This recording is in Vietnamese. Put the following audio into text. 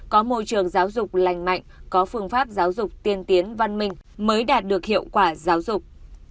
có môi trường giáo dục lành mạnh có phương pháp giáo dục tiên tiến văn minh mới đạt được hiệu quả giáo dục